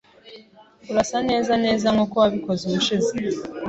Urasa neza neza nkuko wabikoze ubushize.